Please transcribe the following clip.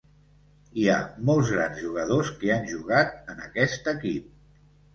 Hi ha molts grans jugadors que han jugat en aquest equip.